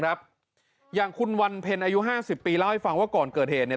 ครับอย่างคุณวันเพ็ญอายุห้าสิบปีเล่าให้ฟังว่าก่อนเกิดเหตุเนี่ย